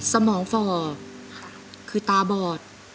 สมองฝ่อคือตาบอด